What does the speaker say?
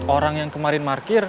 orang yang kemarin markir